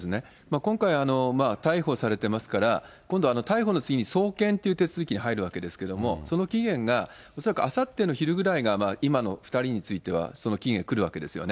今回逮捕されてますから、今度逮捕の次に送検という手続きに入るわけですけれども、その期限がおそらくあさっての昼ぐらいが、今の２人についてはその期限が来るわけですよね。